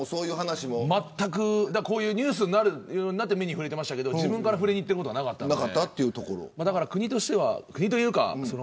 こういうニュースになって目に触れましたけど自分から触れにいくことはなかったです。